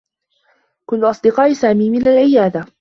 كلّ أصدقاء سامي من العيادة.